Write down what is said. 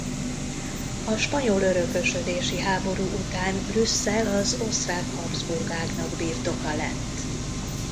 A spanyol örökösödési háború után Brüsszel az osztrák Habsburg-ágnak birtoka lett.